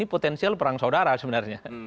potensial perang saudara sebenarnya